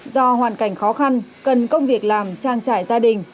do hoàn cảnh khó khăn cần công việc làm trang trải gia đình